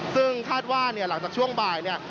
ซึ่งคาดว่าเนี่ยหลังจากช่วงบ่ายเนี่ย